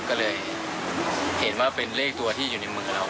ก็เลยเห็นว่าเป็นเลขตัวที่อยู่ในมือเรา